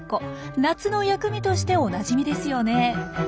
夏の薬味としておなじみですよね。